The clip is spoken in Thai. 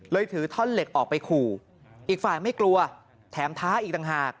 ถือท่อนเหล็กออกไปขู่อีกฝ่ายไม่กลัวแถมท้าอีกต่างหาก